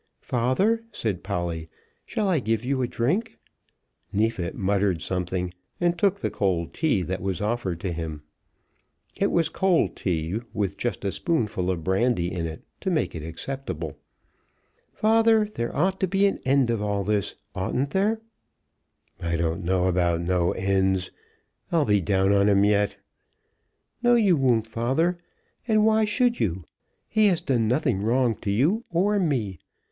"Father," said Polly, "shall I give you a drink?" Neefit muttered something, and took the cold tea that was offered to him. It was cold tea, with just a spoonful of brandy in it to make it acceptable. "Father, there ought to be an end of all this; oughtn't there?" "I don't know about no ends. I'll be down on him yet." "No you won't, father. And why should you? He has done nothing wrong to you or me.